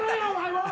もう！